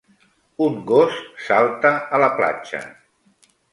Un gos salta a la platja.